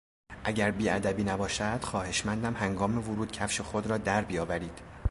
اگر بیادبی نباشد خواهشمندم هنگام ورود کفش خود را در بیاورید.